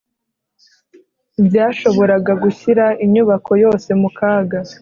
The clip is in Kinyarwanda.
byashoboraga gushyira inyubako yose mu kaga